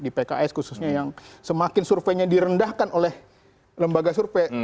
di pks khususnya yang semakin surveinya direndahkan oleh lembaga survei